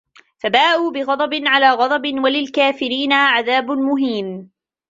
فَبَاءُوا بِغَضَبٍ عَلَىٰ غَضَبٍ ۚ وَلِلْكَافِرِينَ عَذَابٌ مُهِينٌ